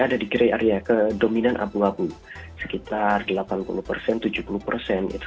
ada di kiri area ke dominan abu abu sekitar delapan puluh persen tujuh puluh persen itu